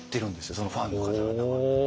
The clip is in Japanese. そのファンの方々は。